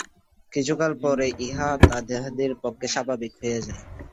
কিছুকাল পরে ইহা তাহাদের পক্ষে স্বাভাবিক হইয়া যায়।